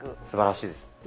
すばらしいです。